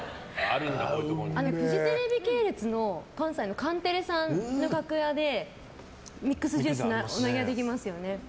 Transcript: フジテレビ系列の関西のカンテレさんの楽屋でミックスジュースお願いできますよね。